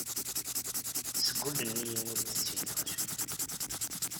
Sgullen-iyi ur d-ttiniɣ acemma.